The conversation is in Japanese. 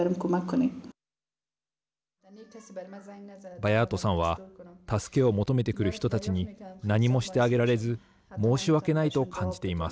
バヤートさんは助けを求めてくる人たちに何もしてあげられず申し訳ないと感じています。